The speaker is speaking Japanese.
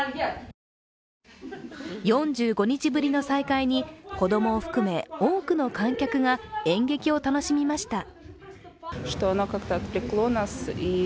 ４５日ぶりの再開に子供を含め多くの観客が演劇を楽しみました。